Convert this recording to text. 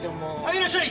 いらっしゃい！